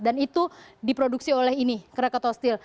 karena itu diproduksi oleh ini krakatoa steel